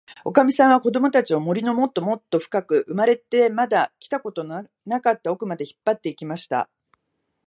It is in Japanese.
おかみさんは、こどもたちを、森のもっともっとふかく、生まれてまだ来たことのなかったおくまで、引っぱって行きました。